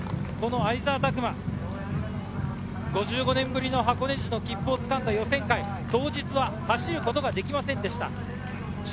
相澤拓摩、５５年ぶりの箱根路の切符を掴んだ予選会、当日は走ることができませんでした。